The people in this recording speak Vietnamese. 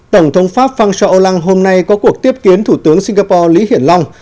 tổng thống pháp phan xa o lang hôm nay có cuộc tiếp kiến thủ tướng singapore lý hiển long